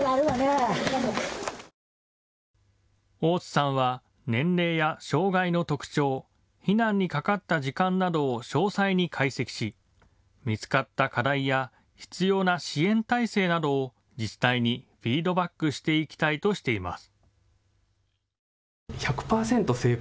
大津さんは年齢や障害の特徴、避難にかかった時間などを詳細に解析し、見つかった課題や必要な支援態勢などを自治体にフィードバックしていきたいとしています。